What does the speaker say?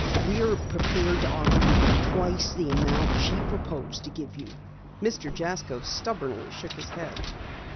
We are prepared to offer you twice the amount she proposed to give you." Mr. Jasko stubbornly shook his head.